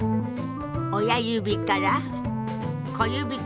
親指から小指から。